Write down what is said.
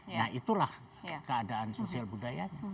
nah itulah keadaan sosial budayanya